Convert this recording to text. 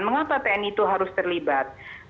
mengapa tni itu harus terlibat